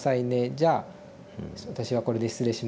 じゃあ私はこれで失礼しますね」